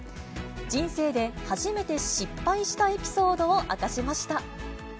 人生で初めて失敗したエピソードを明かしました。